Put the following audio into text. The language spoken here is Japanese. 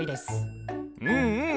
うんうん